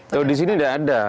tuh di sini nggak ada